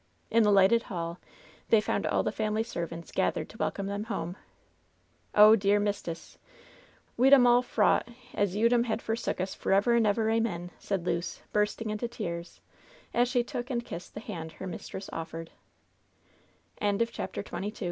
In the lighted hall they found all the family servants gathered to welcome them home. "Oh, dear mistress, we dem all frought as you dem had forsook us forever and ever, amen!" said Luce, bursting into tears, as she took and kissed the hand her mistress offered.